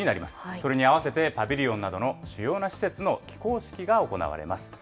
それに合わせてパビリオンなどの主要な施設の起工式が行われます。